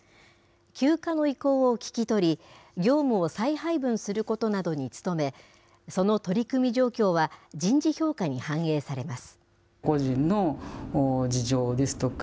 休暇の意向を聞き取り、業務を再配分することなどに努め、その取り組み状況は、人事評価に反映されます。